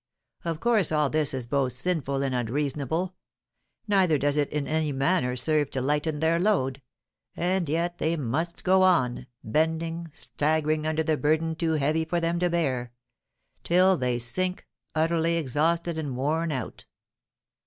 Of course, all this is both sinful and unreasonable; neither does it in any manner serve to lighten their load; and yet they must go on, bending, staggering under the burden too heavy for them to bear, till they sink, utterly exhausted and worn out.